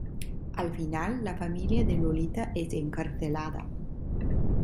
Al final, la familia de Lolita es encarcelada.